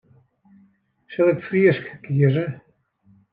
Sil ik Frysk kieze?